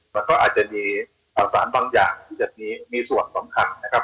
มันก็อาจจะมีข่าวสารบางอย่างที่จะมีส่วนสำคัญนะครับ